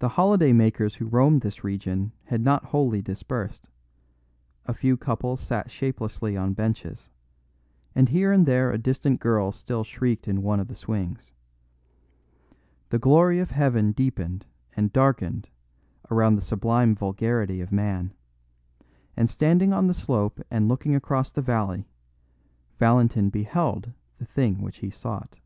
The holiday makers who roam this region had not wholly dispersed; a few couples sat shapelessly on benches; and here and there a distant girl still shrieked in one of the swings. The glory of heaven deepened and darkened around the sublime vulgarity of man; and standing on the slope and looking across the valley, Valentin beheld the thing which he sought.